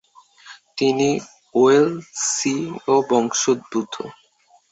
তিনি ওয়েলসীয় বংশোদ্ভূত।